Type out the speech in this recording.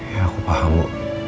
ya aku paham bu